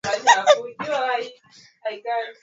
Chakula cha leo kimekuwa kitamu sana.